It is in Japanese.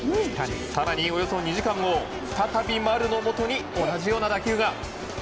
更に、およそ２時間後再び丸のもとに同じような打球が。